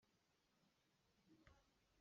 Mirang holh na thiam maw?